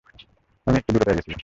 আমি একটু দূরে দূরে ছিলাম।